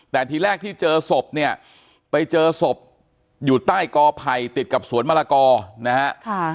แต่ทีแรกที่เจอศพเนี่ยไปเจอศพอยู่ใต้กอไผ่ติดกับสวนมะละกอนะฮะ